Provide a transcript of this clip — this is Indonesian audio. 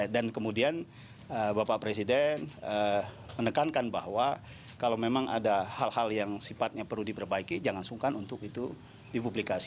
dan kemudian bapak presiden menekankan bahwa kalau memang ada hal hal yang sifatnya perlu diperbaiki jangan sungkan untuk itu dipublikasi